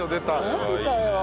マジかよ。